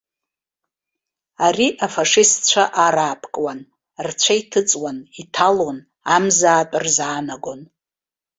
Ари афашистцәа араапкуан, рцәа иҭыҵуан, иҭалон, амзаатә рзаанагон.